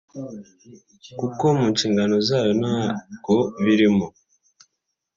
kuko mu nshingano zayo ntabwo birimo